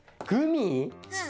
うん。